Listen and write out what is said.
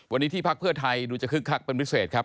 วันนี้ที่พักเพื่อไทยดูจะคึกคักเป็นพิเศษครับ